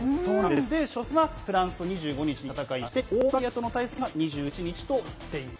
初戦はフランスと２５日に戦いましてオーストラリアとの対戦は２７日となっています。